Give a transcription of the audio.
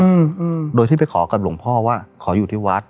อืมโดยที่ไปขอกับหลวงพ่อว่าขออยู่ที่วัด